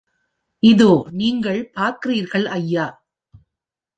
இதோ, நீங்கள் பார்க்கிறீர்கள், ஐயா!